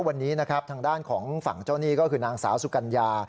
ทางด้านของฝั่งเจ้าหนี้ก็คือนางสาวสุกัญญา